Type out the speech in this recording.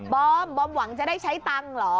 อมบอมหวังจะได้ใช้ตังค์เหรอ